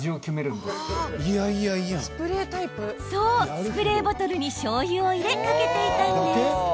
スプレーボトルにしょうゆを入れかけていたんです。